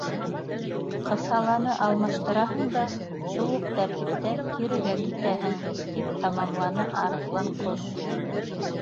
—Ҡыҫаланы алмаштыраһың да —шул уҡ тәртиптә кирегә китәһең, —тип тамамланы Арыҫланҡош.